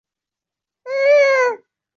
তার দাদি ছিল পেশাদার অপেরা শিল্পী।